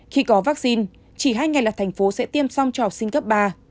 khi có vaccine chỉ hai ngày là thành phố sẽ tiêm xong cho học sinh cấp ba